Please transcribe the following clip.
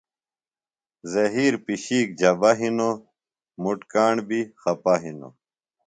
زہِیر پِشِیک جبہ ہِنوۡ، مُٹ کاݨ بیۡ خپہ ہِنوۡ